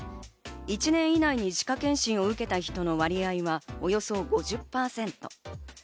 １年以内に歯科健診を受けた人の割合はおよそ５０％。